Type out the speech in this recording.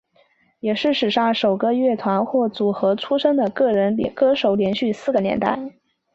也是史上首位乐团或组合出身的个人歌手连续四个年代。